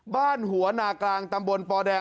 บ้านหัวนากลางตำบลปแดง